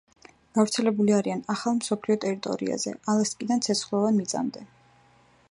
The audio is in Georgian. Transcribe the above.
გავრცელებული არიან ახალი მსოფლიოს ტერიტორიაზე: ალასკიდან ცეცხლოვან მიწამდე.